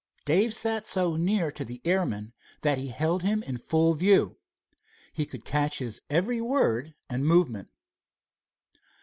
Dave sat so near to the airman that he had him in full view. He could catch his every word and movement.